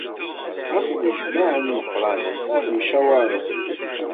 Ɣas nnejmaɛen yimeqqranen ad mcawaṛen fell-i.